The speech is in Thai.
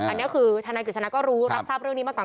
อันนี้คือทนายกฤษณะก็รู้รับทราบเรื่องนี้มาก่อน